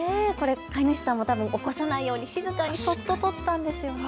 飼い主さんも起こさないように静かにそっと撮ったんですよね。